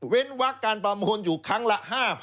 วักการประมูลอยู่ครั้งละ๕๐๐